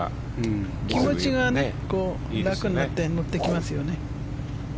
気持ちが楽になって乗ってきますよね。